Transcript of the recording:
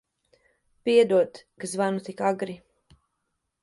Piedod, ka zvanu tik agri.